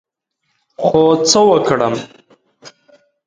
خو څه وکړم ؟